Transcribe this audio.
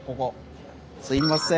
すいません